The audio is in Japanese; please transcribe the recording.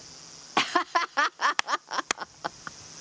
アハハハハハ！